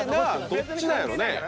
どっちなんやろね？